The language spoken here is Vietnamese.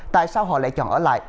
tại sao họ lại chọn ở lại